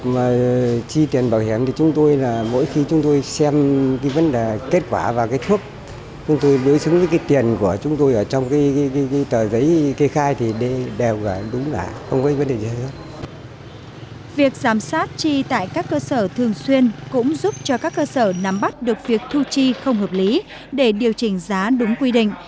việc giám sát tri tại các cơ sở thường xuyên cũng giúp cho các cơ sở nắm bắt được việc thu tri không hợp lý để điều chỉnh giá đúng quy định